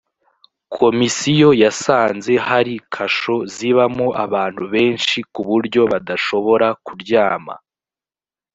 komisiyo yasanze hari kasho zibamo abantu benshi ku buryo badashobora kuryama